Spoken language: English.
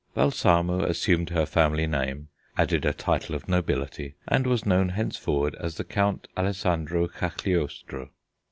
Balsamo assumed her family name, added a title of nobility, and was known henceforward as the Count Alessandro Cagliostro.